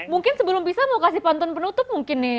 mungkin sebelum bisa mau kasih pantun penutup mungkin nih